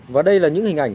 và đây là những hình ảnh